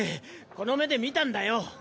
この目で見たんだよ。